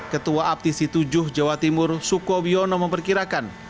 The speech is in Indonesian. ketua aptisi tujuh jawa timur suko biono memperkirakan